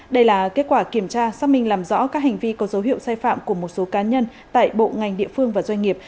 đây là kết quả kiểm tra xác minh làm rõ các hành vi có dấu hiệu sai phạm của một số cá nhân tại bộ ngành địa phương và doanh nghiệp